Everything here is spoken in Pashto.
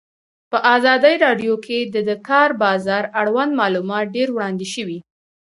په ازادي راډیو کې د د کار بازار اړوند معلومات ډېر وړاندې شوي.